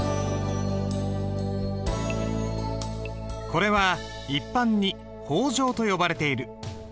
これは一般に法帖と呼ばれている。